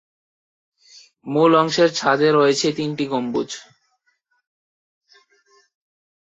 মূল অংশের ছাদে রয়েছে তিনটি গম্বুজ।